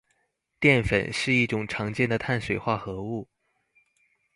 澱粉是一種常見的碳水化合物